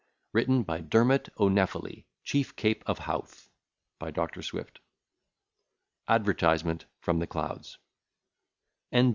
Written by DERMOT O'NEPHELY, Chief Cape of Howth. BY DR. SWIFT ADVERTISEMENT FROM THE CLOUDS N.